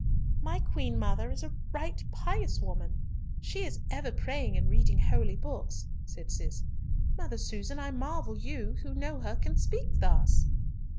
"My queen mother is a right pious woman. She is ever praying and reading holy books," said Cis. "Mother Susan, I marvel you, who know her, can speak thus."